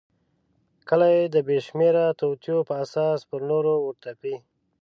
کله یې د بېشمیره توطیو په اساس پر نورو ورتپي.